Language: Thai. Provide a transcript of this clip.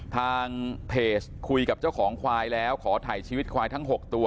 ทางเพจคุยกับเจ้าของควายแล้วขอถ่ายชีวิตควายทั้ง๖ตัว